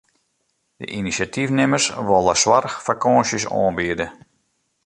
De inisjatyfnimmers wolle soarchfakânsjes oanbiede.